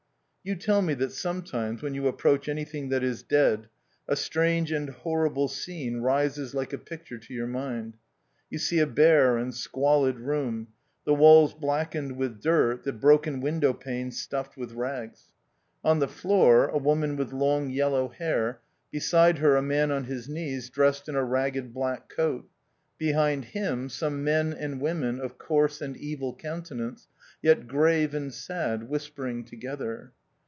You tell me that sometimes when you ap proach anything that is dead, a strange and horrible scene rises like a picture to your mind. You see a bare and squalid room — the walls blackened with dirt, the broken window panes stuffed with rags. On the THE OUTCAST. 51 floor a woman with long yellow hair ; beside her a man on his knees dressed in a ragged black coat ; behind him some men and women of coarse and evil countenance, yet grave and sad, whispering together.